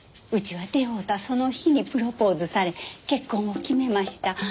うちは出会うたその日にプロポーズされ結婚を決めました。